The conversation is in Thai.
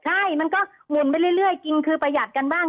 ใช่มันก็หมุนไปเรื่อยกินคือประหยัดกันบ้าง